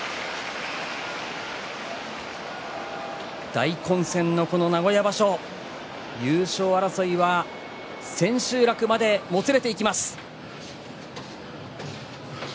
大混戦の、この名古屋場所優勝争いは千秋楽までもつれていきます。